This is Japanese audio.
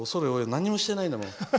何もしてないんだもん。